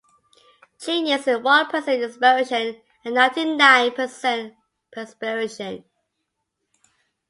Genius is one percent inspiration and ninety-nine percent perspiration.